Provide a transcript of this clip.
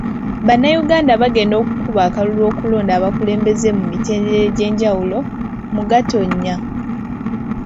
Bannayuganda bagenda kukuba akalulu okulonda abakulembeze ku mitendera egy'enjawulo mu Gatonya.